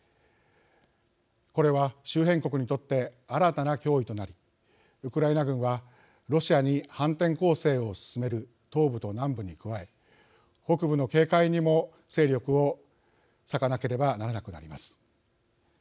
これは周辺国にとって新たな脅威となりウクライナ軍はロシアに反転攻勢を進める東部と南部に加え北部の警戒にも、勢力を割かなければならなくなります。